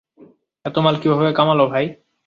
এত মাল কীভাবে কামালো, ভাই?